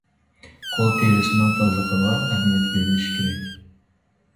قول تېرىسىنىڭ تازىلىقىغا ئەھمىيەت بېرىش كېرەك.